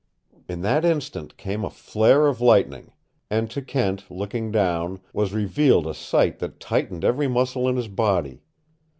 In that instant came a flare of lightning, and to Kent, looking down, was revealed a sight that tightened every muscle in his body.